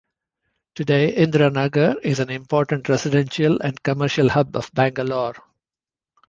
Today, Indiranagar is an important residential and commercial hub of Bangalore.